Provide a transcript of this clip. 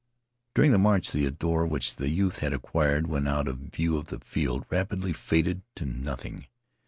During the march the ardor which the youth had acquired when out of view of the field rapidly faded to nothing.